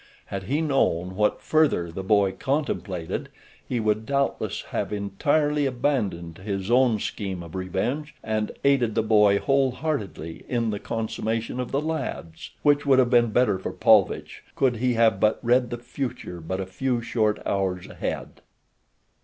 Had he known what further the boy contemplated he would doubtless have entirely abandoned his own scheme of revenge and aided the boy whole heartedly in the consummation of the lad's, which would have been better for Paulvitch, could he have but read the future but a few short hours ahead.